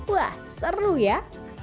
wah seru ya